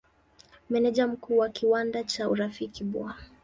Meneja Mkuu wa kiwanda cha Urafiki Bw.